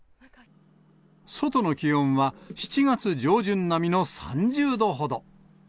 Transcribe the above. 外の気温は、７月上旬並みの３０度ほど。